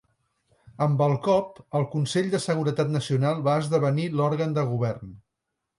Amb el cop, el Consell de Seguretat Nacional va esdevenir l'òrgan de govern.